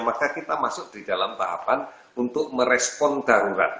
maka kita masuk di dalam tahapan untuk merespon darurat